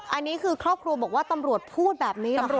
อันนี้คือครอบครัวบอกว่าตำรวจพูดแบบนี้ตำรวจ